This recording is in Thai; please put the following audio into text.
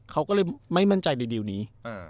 เขาก็เลยไม่มั่นใจรีลนี้